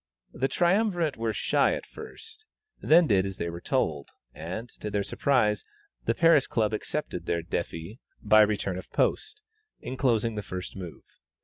The triumvirate were shy at first, then did as they were told, and, to their surprise, the Paris Club accepted their défi by return of post, enclosing the first move.